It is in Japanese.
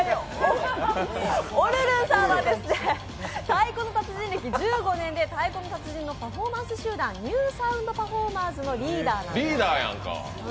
おるるんさんは「太鼓の達人」歴１５年で太鼓の達人のパフォーマンス集団、ニューサウンドパフォーマーズのリーダーなんです。